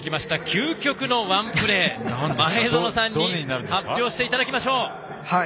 究極のワンプレーを前園さんに発表していただきましょう。